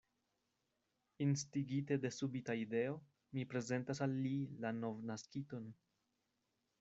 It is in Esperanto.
Instigite de subita ideo, mi prezentas al li la novnaskiton.